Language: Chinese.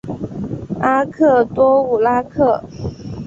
阿克多武拉克。